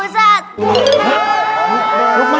ya udah tidak apa